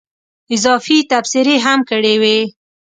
اضافي تبصرې هم کړې وې.